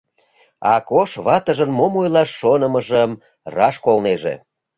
— Акош ватыжын мом ойлаш шонымыжым раш колнеже.